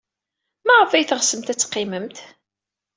Maɣef ay tɣetsem ad teqqimem?